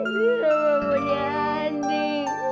indri gak mau punya adik